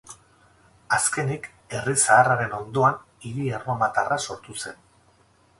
Azkenik, herri zaharraren ondoan hiri erromatarra sortu zen.